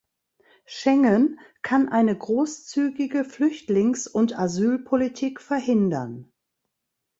Schengen kann eine großzügige Flüchtlings- und Asylpolitik verhindern.